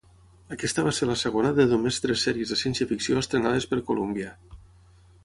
Aquesta va ser la segona de només tres series de ciència ficció estrenades per Columbia.